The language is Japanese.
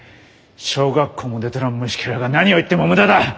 小学校も出とらん虫けらが何を言っても無駄だ！